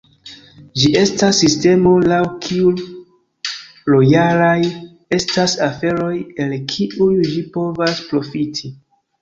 Ĝi estas sistemo, laŭ kiu lojalaj estas aferoj el kiuj ĝi povas profiti.